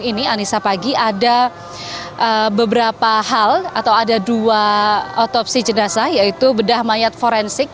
ini anissa pagi ada beberapa hal atau ada dua otopsi jenazah yaitu bedah mayat forensik